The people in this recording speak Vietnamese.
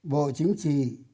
bộ chính trị